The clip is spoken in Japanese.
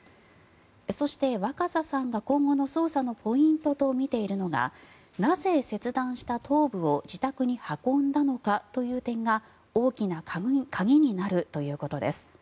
そして、若狭さんが今後の捜査のポイントとみているのがなぜ切断した頭部を自宅に運んだのかという点が大きな鍵になるということです。